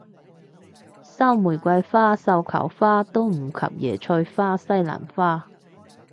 收玫瑰花繡球花都不及椰菜花西蘭花